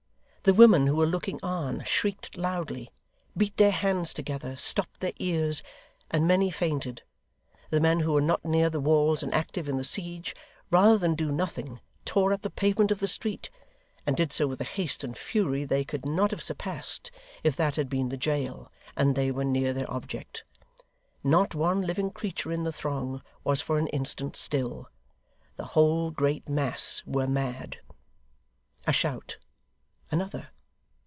The women who were looking on, shrieked loudly, beat their hands together, stopped their ears; and many fainted: the men who were not near the walls and active in the siege, rather than do nothing, tore up the pavement of the street, and did so with a haste and fury they could not have surpassed if that had been the jail, and they were near their object. Not one living creature in the throng was for an instant still. The whole great mass were mad. A shout! Another!